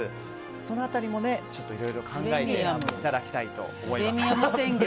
その辺りもいろいろ考えていただきたいと思います。